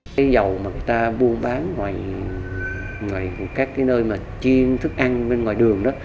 cái dầu mà người ta buôn bán ngoài các nơi chiên thức ăn bên ngoài đường